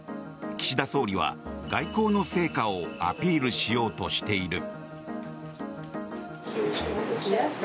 岸田総理は外交の成果をアピールしようとしている。